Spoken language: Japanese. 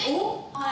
はい。